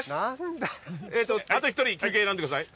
あと１人休憩選んでください。